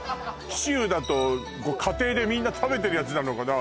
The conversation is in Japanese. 貴州だと家庭でみんな食べてるやつなのかな？